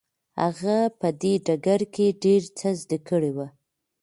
هغه په دې ډګر کې ډېر څه زده کړي وو.